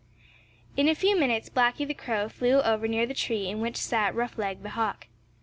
In a few minutes Blacky the Crow flew over near the tree in which sat Roughleg the Hawk.